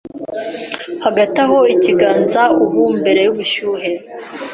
Hagati aho ikiganza ubu mbere yubushyuhe